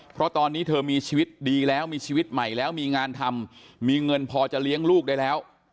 เพราะตอนนี้เธอมีชีวิตดีแล้วมีชีวิตใหม่แล้วมีงานทำมีเงินพอจะเลี้ยงลูกได้แล้ว